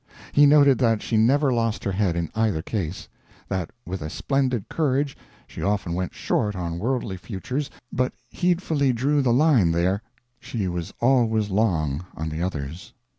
He noted that she never lost her head in either case; that with a splendid courage she often went short on worldly futures, but heedfully drew the line there she was always long on the others.